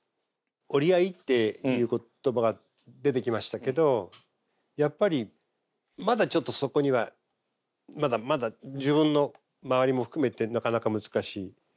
折り合いっていう言葉が出てきましたけどやっぱりまだちょっとそこにはまだまだ自分の周りも含めてなかなか難しい。